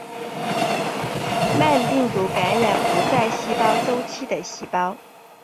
慢病毒感染不在细胞周期的细胞。